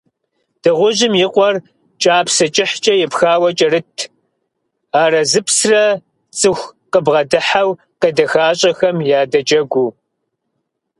Дыгъужьым и къуэр кӀапсэ кӀыхькӀэ епхауэ кӀэрытт, арэзыпсрэ цӀыху къыбгъэдыхьэу къедэхащӀэхэм ядэджэгуу.